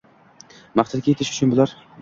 Maqsadga yetish uchun bular